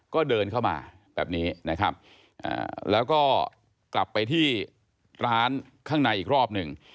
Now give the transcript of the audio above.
ก็เดินเข้ามาแบบนี้นะครับแล้วก็กลับไปที่ร้านข้างในอีกรอบหนึ่ง